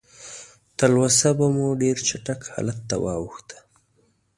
تلوسه به مو ډېر چټک حالت ته واوښته.